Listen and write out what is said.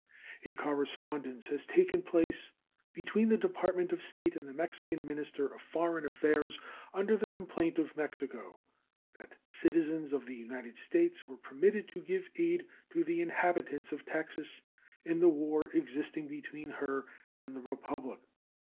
A correspondence has taken place between the Department of State and the Mexican minister of foreign affairs upon the complaint of Mexico that citizens of the United States were permitted to give aid to the inhabitants of Texas in the war existing between her and that Republic.